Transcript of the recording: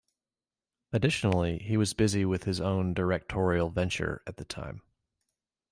Additionally, he was busy with his own directorial venture at the time.